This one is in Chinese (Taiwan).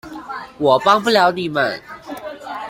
我幫不了你們